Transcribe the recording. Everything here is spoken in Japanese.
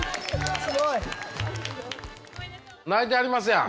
泣いてはりますやん。